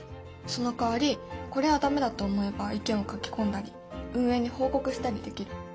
そのかわりこれは駄目だと思えば意見を書き込んだり運営に報告したりできる。